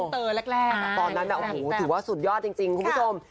ตอนนั้นถือว่าสุดยอดจริงคุณผู้ชม